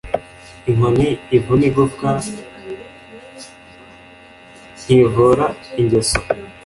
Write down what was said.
inkoni ivuna igufwa ngtivura ingeso